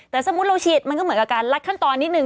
แต่สมมุติเราฉีดมันก็เหมือนกับการลัดขั้นตอนนิดนึ